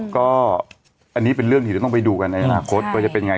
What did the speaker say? ก็อันนี้เป็นเรื่องที่จะต้องไปดูกันในอนาคตว่าจะเป็นยังไง